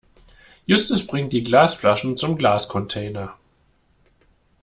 Justus bringt die Glasflaschen zum Glascontainer.